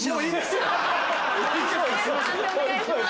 判定お願いします。